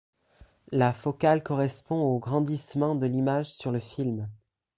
La focale correspond au grandissement de l'image sur le film.